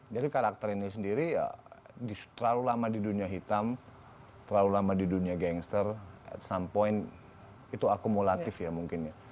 jadi karakter ini sendiri terlalu lama di dunia hitam terlalu lama di dunia gangster at some point itu akumulatif ya mungkin ya